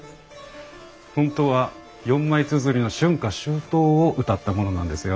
本当は４枚つづりの春夏秋冬をうたったものなんですよ。